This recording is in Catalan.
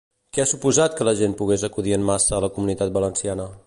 Què ha suposat que la gent pogués acudir en massa a la Comunitat Valenciana?